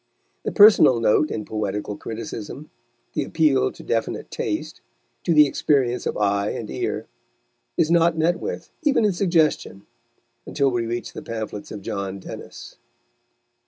The personal note in poetical criticism, the appeal to definite taste, to the experience of eye and ear, is not met with, even in suggestion, until we reach the pamphlets of John Dennis.